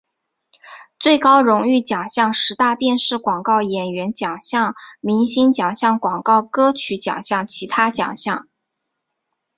最高荣誉奖项十大电视广告演员奖项明星奖项广告歌曲奖项其他奖项